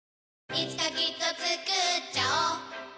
いつかきっとつくっちゃおう